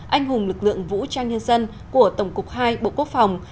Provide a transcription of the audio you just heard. anh hùng lực lượng vũ trang nhân dân của tổng cục hai bộ quốc phòng